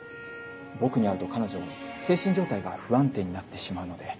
僕に会うと彼女精神状態が不安定になってしまうので。